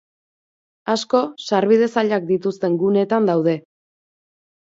Asko sarbide zailak dituzten guneetan daude.